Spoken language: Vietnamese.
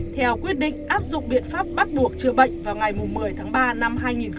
theo quyết định áp dụng biện pháp bắt buộc chữa bệnh vào ngày một mươi tháng ba năm hai nghìn hai mươi